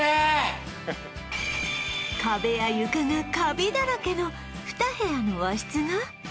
壁や床がカビだらけの２部屋の和室が